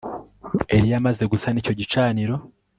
Eliya amze gusana icyo gicaniro